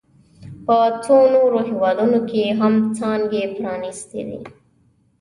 په څو نورو هېوادونو کې هم څانګې پرانیستي دي